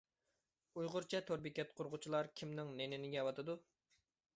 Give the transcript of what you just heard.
ئۇيغۇرچە تور بېكەت قۇرغۇچىلار كىمنىڭ نېنىنى يەۋاتىدۇ؟